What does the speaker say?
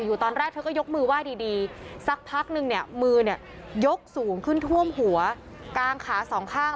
อยู่ตอนแรกเธอก็ยกมือไหว้ดีสักพักนึงเนี่ยมือเนี่ยยกสูงขึ้นท่วมหัวกางขาสองข้าง